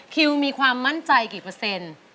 คิวมีความมั่นใจกี่เปอร์เซ็นต์